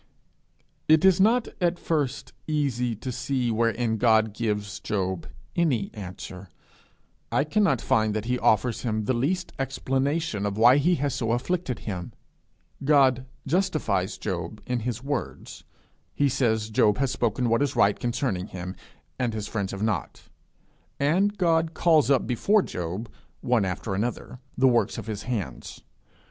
It is not at first easy to see wherein God gives Job any answer; I cannot find that he offers him the least explanation of why he has so afflicted him. He justifies him in his words; he says Job has spoken what is right concerning him, and his friends have not; and he calls up before him, one after another, the works of his hands.